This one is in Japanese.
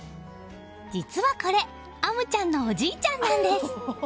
実はこれ、天夢ちゃんのおじいちゃんなんです。